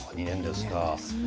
２年ですか。